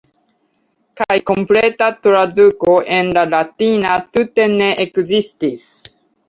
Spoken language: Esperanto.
Kaj kompleta traduko en la Latina tute ne ekzistis.